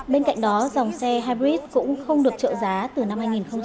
bên cạnh đó dòng xe hybrid cũng không được trợ giá từ năm hai nghìn hai mươi ba